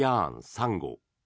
３号。